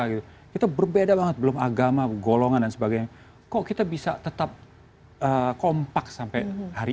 gitu kita berbeda banget belum agama golongan dan sebagainya kok kita bisa tetap kompak sampai hari